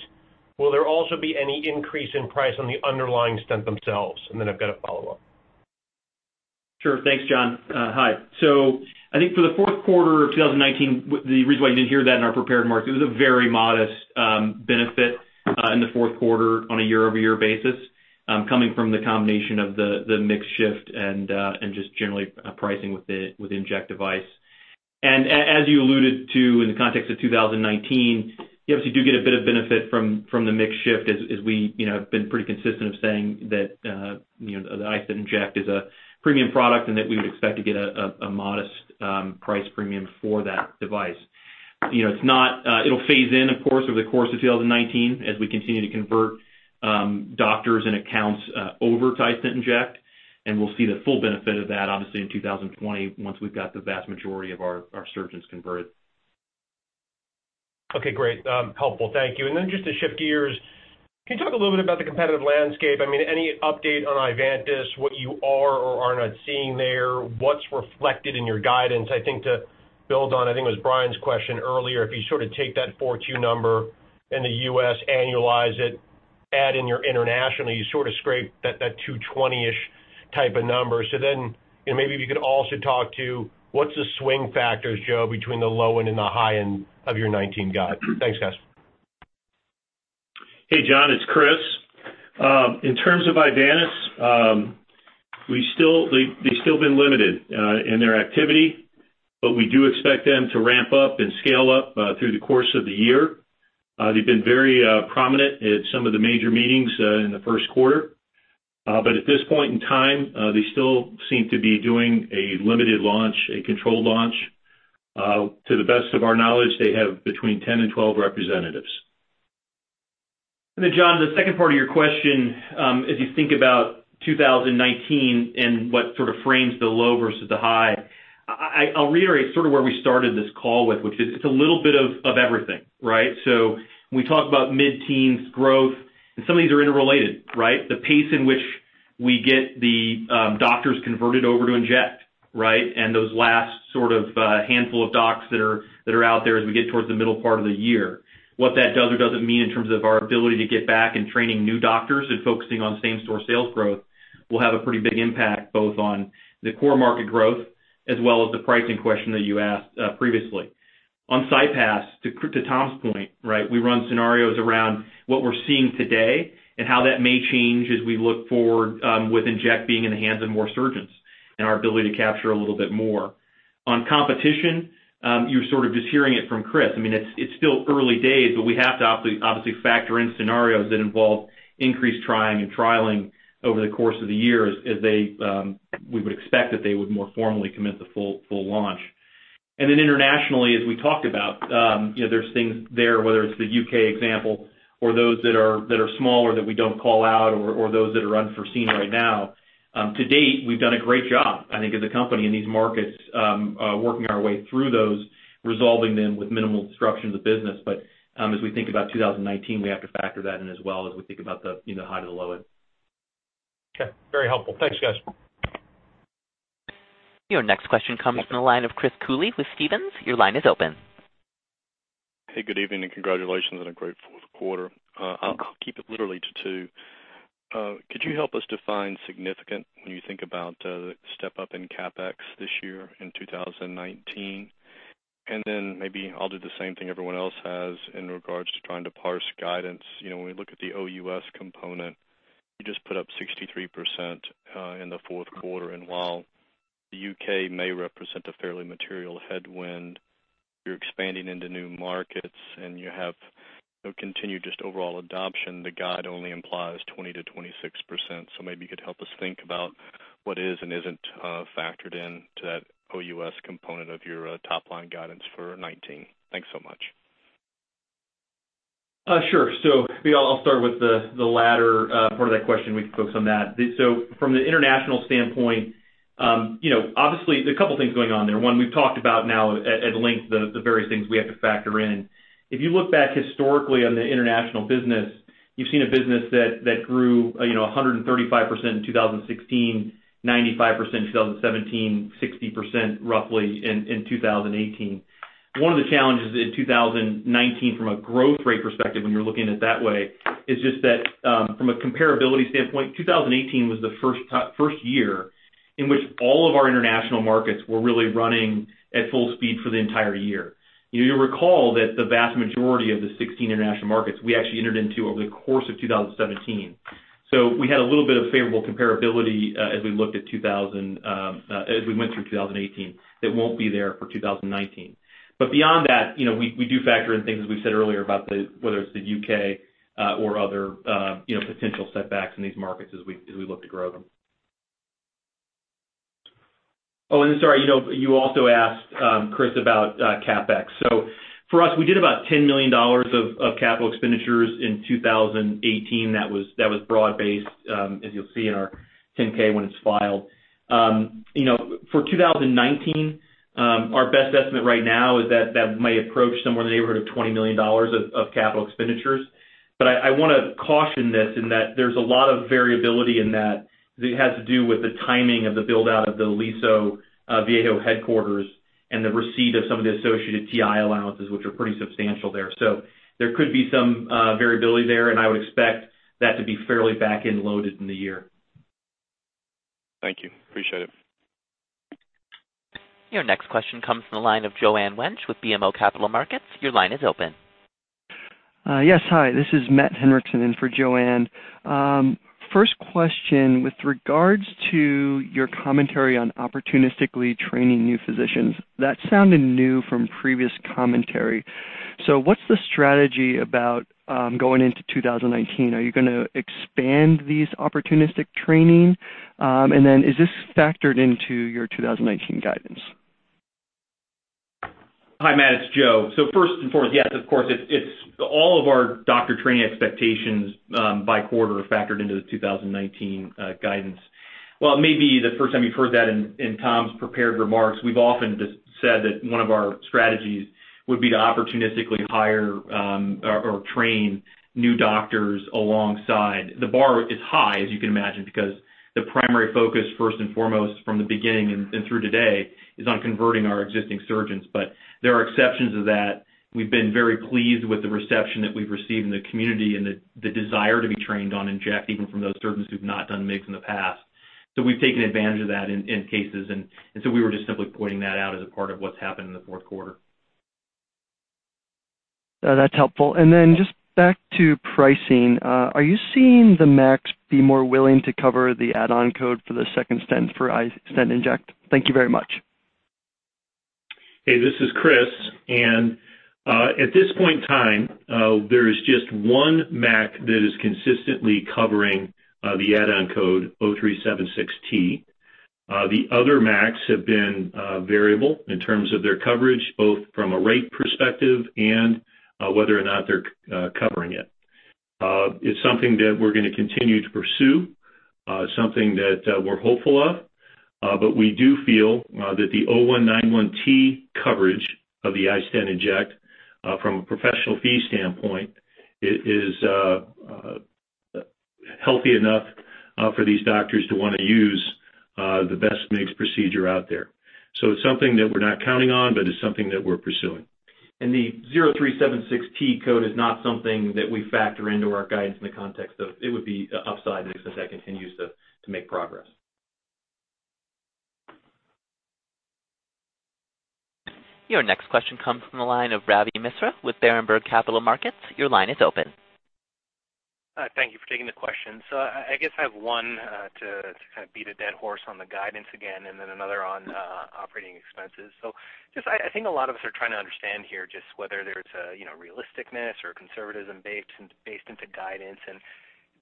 Speaker 9: Will there also be any increase in price on the underlying iStent themselves? I've got a follow-up.
Speaker 4: Sure. Thanks, John. Hi. I think for the fourth quarter of 2019, the reason why you didn't hear that in our prepared remarks, it was a very modest benefit in the fourth quarter on a year-over-year basis coming from the combination of the mix shift and just generally pricing with the inject device. As you alluded to in the context of 2019, you obviously do get a bit of benefit from the mix shift as we have been pretty consistent of saying that the iStent inject is a premium product and that we would expect to get a modest price premium for that device. It'll phase in, of course, over the course of 2019 as we continue to convert doctors and accounts over to iStent inject, we'll see the full benefit of that obviously in 2020, once we've got the vast majority of our surgeons converted.
Speaker 9: Okay, great. Helpful. Thank you. Just to shift gears, can you talk a little bit about the competitive landscape? Any update on Ivantis, what you are or are not seeing there? What's reflected in your guidance? I think to build on, I think it was Brian's question earlier, if you take that 4 2 number in the U.S., annualize it, add in your international, you scrape that 220-ish type of number. Maybe if you could also talk to what's the swing factors, Joe, between the low end and the high end of your 2019 guide. Thanks, guys.
Speaker 2: Hey, John, it's Chris. In terms of Ivantis, they've still been limited in their activity, but we do expect them to ramp up and scale up through the course of the year. They've been very prominent at some of the major meetings in the first quarter. At this point in time, they still seem to be doing a limited launch, a controlled launch. To the best of our knowledge, they have between 10 and 12 representatives.
Speaker 4: John, the second part of your question, as you think about 2019 and what sort of frames the low versus the high, I'll reiterate sort of where we started this call with, which is it's a little bit of everything, right? When we talk about mid-teens growth, and some of these are interrelated, right? The pace in which we get the doctors converted over to iStent inject, and those last sort of handful of docs that are out there as we get towards the middle part of the year. What that does or doesn't mean in terms of our ability to get back and training new doctors and focusing on same store sales growth will have a pretty big impact both on the core market growth as well as the pricing question that you asked previously. On CyPass, to Tom's point, we run scenarios around what we're seeing today and how that may change as we look forward with iStent inject being in the hands of more surgeons and our ability to capture a little bit more. On competition, you're sort of just hearing it from Chris. It's still early days, but we have to obviously factor in scenarios that involve increased trying and trialing over the course of the year as we would expect that they would more formally commit to full launch. Internationally, as we talked about, there's things there, whether it's the U.K. example or those that are smaller that we don't call out or those that are unforeseen right now. To date, we've done a great job, I think, as a company in these markets working our way through those, resolving them with minimal disruption to business. As we think about 2019, we have to factor that in as well as we think about the high to the low end.
Speaker 9: Okay. Very helpful. Thanks, guys.
Speaker 1: Your next question comes from the line of Chris Cooley with Stephens. Your line is open.
Speaker 10: Hey, good evening and congratulations on a great fourth quarter. I'll keep it literally to two. Could you help us define significant when you think about the step-up in CapEx this year in 2019? Maybe I'll do the same thing everyone else has in regards to trying to parse guidance. When we look at the OUS component, you just put up 63% in the fourth quarter. While the U.K. may represent a fairly material headwind, you're expanding into new markets and you have continued just overall adoption. The guide only implies 20%-26%. Maybe you could help us think about what is and isn't factored in to that OUS component of your top-line guidance for 2019. Thanks so much.
Speaker 4: Sure. I'll start with the latter part of that question. We can focus on that. From the international standpoint, obviously there are a couple things going on there. One, we've talked about now at length the various things we have to factor in. If you look back historically on the international business, you've seen a business that grew 135% in 2016, 95% in 2017, 60% roughly in 2018. One of the challenges in 2019 from a growth rate perspective, when you're looking at it that way, is just that from a comparability standpoint, 2018 was the first year in which all of our international markets were really running at full speed for the entire year. You'll recall that the vast majority of the 16 international markets we actually entered into over the course of 2017. We had a little bit of favorable comparability as we went through 2018 that won't be there for 2019. Beyond that, we do factor in things, as we said earlier, about whether it's the U.K. or other potential setbacks in these markets as we look to grow them. You also asked, Chris, about CapEx. For us, we did about $10 million of capital expenditures in 2018. That was broad-based, as you'll see in our 10K when it's filed. For 2019, our best estimate right now is that that might approach somewhere in the neighborhood of $20 million of capital expenditures. I want to caution this in that there's a lot of variability in that, because it has to do with the timing of the build-out of the Aliso Viejo headquarters and the receipt of some of the associated TI allowances, which are pretty substantial there. There could be some variability there, and I would expect that to be fairly back-end loaded in the year.
Speaker 10: Thank you. Appreciate it.
Speaker 1: Your next question comes from the line of Joanne Wuensch with BMO Capital Markets. Your line is open.
Speaker 11: Yes, hi. This is Matt Henriksen in for Joanne. First question, with regards to your commentary on opportunistically training new physicians, that sounded new from previous commentary. What's the strategy about going into 2019? Are you going to expand these opportunistic training? Is this factored into your 2019 guidance?
Speaker 4: Hi, Matt, it's Joe. First and foremost, yes, of course, all of our doctor training expectations by quarter are factored into the 2019 guidance. While it may be the first time you've heard that in Tom's prepared remarks, we've often said that one of our strategies would be to opportunistically hire or train new doctors alongside. There are exceptions to that. We've been very pleased with the reception that we've received in the community and the desire to be trained on iStent inject, even from those surgeons who've not done MIGS in the past. We've taken advantage of that in cases, we were just simply pointing that out as a part of what's happened in the fourth quarter.
Speaker 11: That's helpful. Just back to pricing. Are you seeing the MACs be more willing to cover the add-on code for the second stent for iStent inject? Thank you very much.
Speaker 2: This is Chris. At this point in time, there is just one MAC that is consistently covering the add-on code 0376T. The other MACs have been variable in terms of their coverage, both from a rate perspective and whether or not they're covering it. It's something that we're going to continue to pursue, something that we're hopeful of. We do feel that the 0191T coverage of the iStent inject from a professional fee standpoint is healthy enough for these doctors to want to use the best MIGS procedure out there. It's something that we're not counting on, but it's something that we're pursuing.
Speaker 4: The 0376T code is not something that we factor into our guidance in the context of. It would be an upside as that continues to make progress.
Speaker 1: Your next question comes from the line of Ravi Misra with Berenberg Capital Markets. Your line is open.
Speaker 12: Thank you for taking the question. I guess I have one to kind of beat a dead horse on the guidance again and then another on operating expenses. Just I think a lot of us are trying to understand here just whether there's a realistic-ness or conservatism baked based into guidance.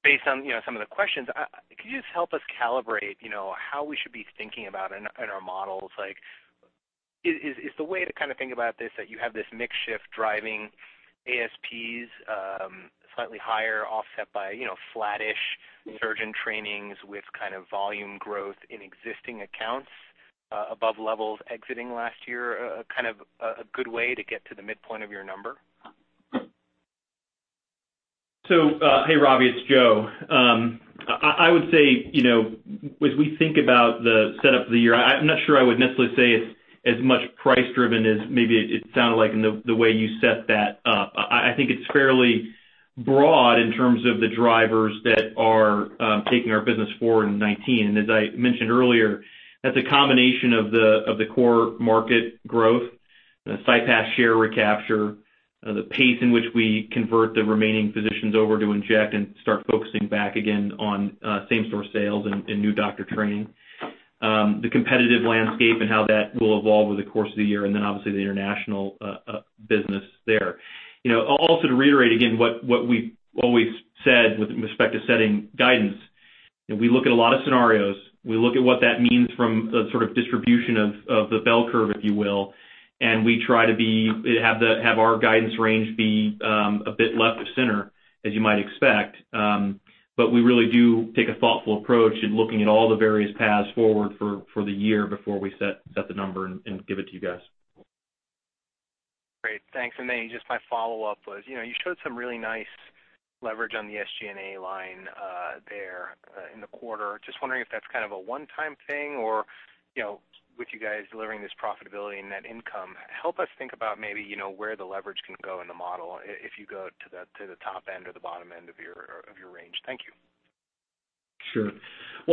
Speaker 12: Based on some of the questions, could you just help us calibrate how we should be thinking about in our models, like is the way to kind of think about this, that you have this MIGS shift driving ASPs slightly higher, offset by flattish surgeon trainings with kind of volume growth in existing accounts above levels exiting last year, kind of a good way to get to the midpoint of your number?
Speaker 4: Hey, Ravi, it's Joe. I would say as we think about the setup for the year, I'm not sure I would necessarily say it's as much price-driven as maybe it sounded like in the way you set that up. I think it's fairly broad in terms of the drivers that are taking our business forward in 2019. As I mentioned earlier, that's a combination of the core market growth, the CyPass share recapture, the pace in which we convert the remaining physicians over to inject and start focusing back again on same store sales and new doctor training, the competitive landscape and how that will evolve over the course of the year, and then obviously the international business there. To reiterate again what we've always said with respect to setting guidance, we look at a lot of scenarios. We look at what that means from a sort of distribution of the bell curve, if you will, and we try to have our guidance range be a bit left of center, as you might expect. We really do take a thoughtful approach in looking at all the various paths forward for the year before we set the number and give it to you guys.
Speaker 12: Great. Thanks. Just my follow-up was you showed some really nice leverage on the SG&A line there in the quarter. Just wondering if that's kind of a one-time thing or with you guys delivering this profitability and net income, help us think about maybe where the leverage can go in the model if you go to the top end or the bottom end of your range. Thank you.
Speaker 4: Sure.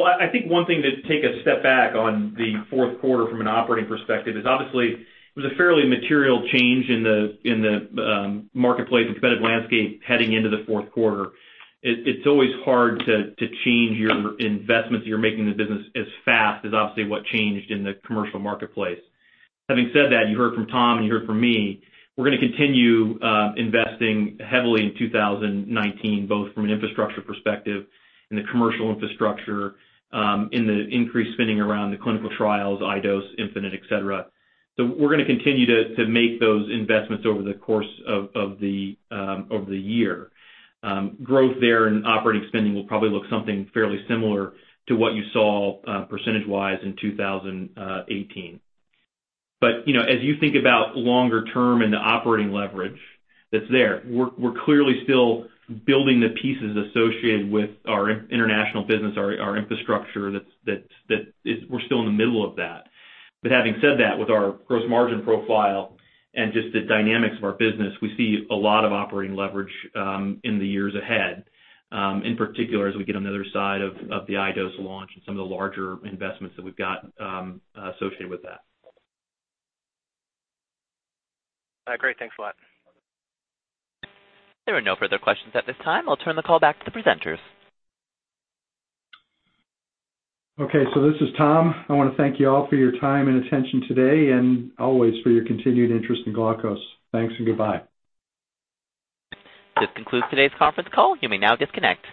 Speaker 4: I think one thing to take a step back on the fourth quarter from an operating perspective is obviously it was a fairly material change in the marketplace and competitive landscape heading into the fourth quarter. It's always hard to change your investments you're making in the business as fast as obviously what changed in the commercial marketplace. Having said that, you heard from Tom, and you heard from me, we're going to continue investing heavily in 2019, both from an infrastructure perspective in the commercial infrastructure, in the increased spending around the clinical trials, iDose, iStent infinite, et cetera. We're going to continue to make those investments over the course of the year. Growth there and operating spending will probably look something fairly similar to what you saw percentage-wise in 2018. As you think about longer term and the operating leverage that's there, we're clearly still building the pieces associated with our international business, our infrastructure. We're still in the middle of that. Having said that, with our gross margin profile and just the dynamics of our business, we see a lot of operating leverage in the years ahead. In particular, as we get on the other side of the iDose launch and some of the larger investments that we've got associated with that.
Speaker 12: Great. Thanks a lot.
Speaker 1: There are no further questions at this time. I'll turn the call back to the presenters.
Speaker 3: Okay, this is Tom. I want to thank you all for your time and attention today and always for your continued interest in Glaukos. Thanks and goodbye.
Speaker 1: This concludes today's conference call. You may now disconnect.